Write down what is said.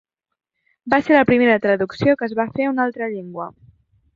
Va ser la primera traducció que es va fer a una altra llengua.